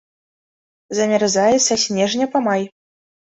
Замярзае са снежня па май.